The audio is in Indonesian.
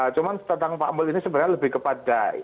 cuman tentang pak mul ini sebenarnya lebih kepada